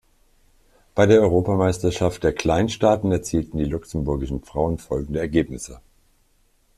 Bei der Europameisterschaft der Kleinstaaten erzielten die luxemburgischen Frauen folgende Ergebnisse.